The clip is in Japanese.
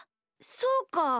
そうか。